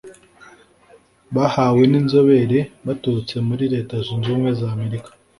bahawe n’inzobere zaturutse muri Leta zunze ubumwe za Amerika